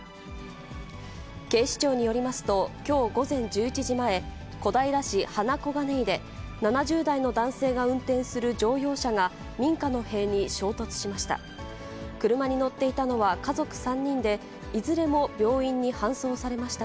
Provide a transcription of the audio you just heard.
警視庁によりますと、きょう午前１１時前、小平市花小金井で、７０代の男性が運転する乗用車が、民家の塀に衝突しました。